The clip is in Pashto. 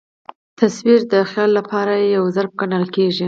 تصویر د خیال له پاره یو ظرف ګڼل کېږي.